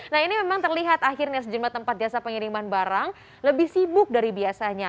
nah ini memang terlihat akhirnya sejumlah tempat jasa pengiriman barang lebih sibuk dari biasanya